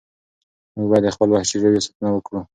موږ باید د خپلو وحشي ژویو ساتنه وکړو.